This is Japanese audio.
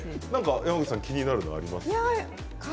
山口さん気になるものはありますか？